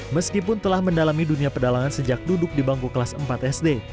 meskipun telah mendalami dunia pedalangan sejak duduk di bangku kelas empat sd